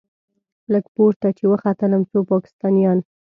لږ پورته چې وختلم څو پاکستانيان.